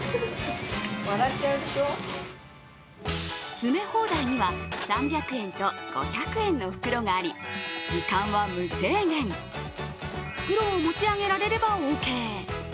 詰め放題には３００円と５００円の袋があり時間は無制限、袋を持ち上げられればオーケー。